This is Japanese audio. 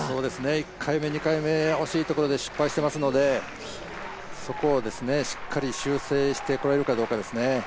１回目、２回目、惜しいところで失敗していますのでそこをしっかり修正してこれるかどうかですね。